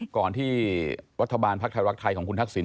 ก่อนที่รัฐบาลภักดิ์ไทยรักไทยของคุณทักษิณ